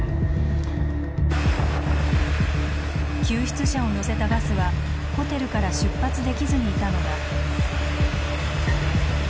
救出者を乗せたバスはホテルから出発できずにいたのだ。